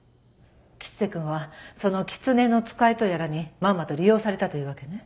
吉瀬くんはその狐の遣いとやらにまんまと利用されたというわけね。